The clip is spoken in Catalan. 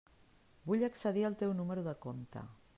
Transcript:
Vull accedir al teu número de compte.